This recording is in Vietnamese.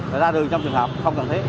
và ra đường trong trường hợp không cần thiết